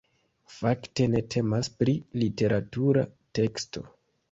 Fakte ne temas pri literatura teksto.